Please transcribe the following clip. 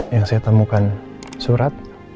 yang saya temukan surat